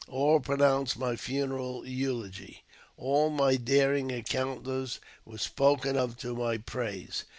All pronounced my funeral eulogy ; all my daring encounters were spoken of to my praise.